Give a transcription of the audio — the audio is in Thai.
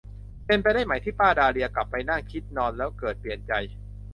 เป็นไปได้ไหมที่ป้าดาเลียกลับไปนั่งคิดนอนคิดแล้วเกิดเปลี่ยนใจ ?